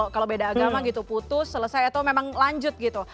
kalau beda agama gitu putus selesai atau memang lanjut gitu